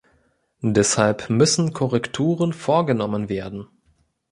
Deshalb müssen Korrekturen vorgenommen werden.